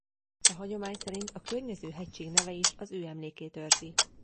A hagyomány szerint a környező hegység neve is az ő emlékét őrzi.